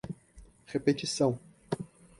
repetição